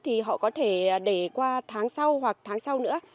thì họ có thể để qua tháng sau hoặc tháng sau nữa